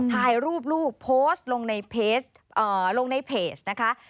ถ่ายรูปโพสต์ลงในเพจ